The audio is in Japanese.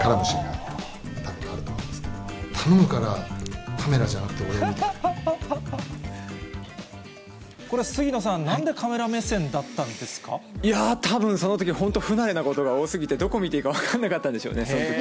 絡むシーンがあると思うんですけど、頼むから、カメラじゃなくてこれ、杉野さん、なんでカメいやー、たぶん、そのとき本当、不慣れなことが多すぎて、どこ見ていいか分からなかったんでしょうね、そのとき。